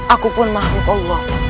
aku pun mahluk allah